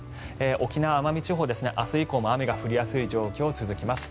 沖縄・奄美地方、明日以降も雨が降りやすい状況が続きます。